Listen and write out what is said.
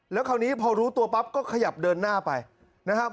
แล้วคราวนี้พอรู้ตัวปั๊บก็ขยับเดินหน้าไปนะครับ